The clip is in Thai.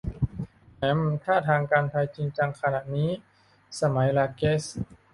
แหม ถ้าทางการไทยจริงจังขนาดนี้ สมัย ราเกซ